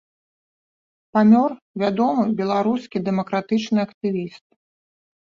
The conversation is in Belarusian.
Памёр вядомы беларускі дэмакратычны актывіст.